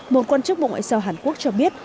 một quan chức bộ ngoại giao hàn quốc cho biết